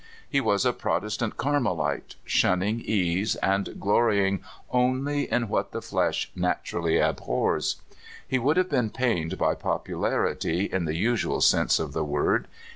He was a Protestant Carmelite, shunning ease, and glorying only in what the flesh naturally abhors. He would have been pained by popularity, in the usual sense of the word.